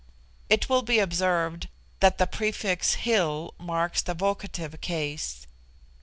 It will be observed that the prefix Hil marks the vocative case.